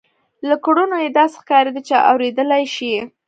له کړنو یې داسې ښکارېده چې اورېدلای شي